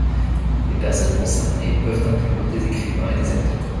Les personnes concernées peuvent inclure des écrivains et des acteurs.